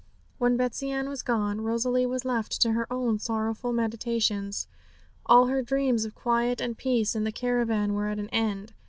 When Betsey Ann was gone, Rosalie was left to her own sorrowful meditations. All her dreams of quiet and peace in the caravan were at an end.